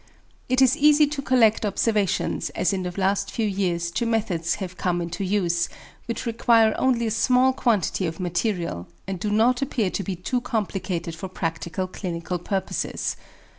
It is easy to collect observations, as in the last few years two methods have come into use which require only a small quantity of material, and do not appear to be too complicated for practical clinical purposes.